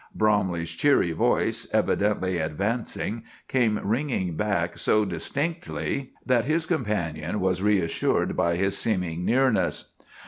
Bromley's cheery voice, evidently advancing, came ringing back so distinctly that his companion was reassured by his seeming nearness.